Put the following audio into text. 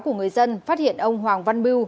của người dân phát hiện ông hoàng văn mưu